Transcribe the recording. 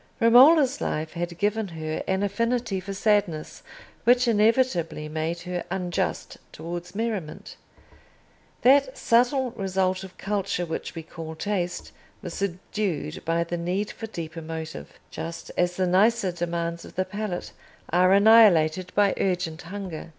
Romola's life had given her an affinity for sadness which inevitably made her unjust towards merriment. That subtle result of culture which we call Taste was subdued by the need for deeper motive; just as the nicer demands of the palate are annihilated by urgent hunger.